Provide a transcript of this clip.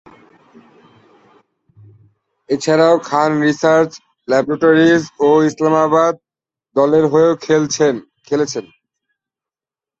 এছাড়াও, Khan research laboratories ও ইসলামাবাদ দলের হয়েও খেলেছেন।